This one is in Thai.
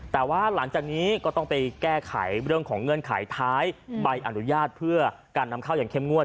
แต่ว่าหลังจากนี้ก็ต้องไปแก้ไขเรื่องของเงื่อนไขท้ายใบอนุญาตเพื่อการนำเข้าอย่างเข้มงวด